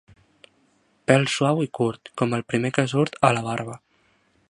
Pèl suau i curt, com el primer que surt a la barba.